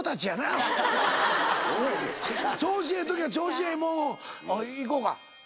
調子ええ時は調子ええもんを。